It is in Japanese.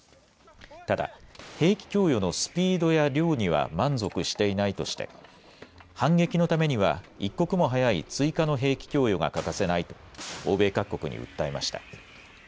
ただ兵器供与のスピードや量には満足していないとして反撃のためには一刻も早い追加の兵器供与が欠かせないと欧米各国に訴えました。